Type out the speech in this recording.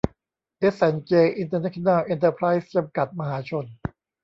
เอส แอนด์ เจ อินเตอร์เนชั่นแนล เอนเตอร์ไพรส์ จำกัด มหาชน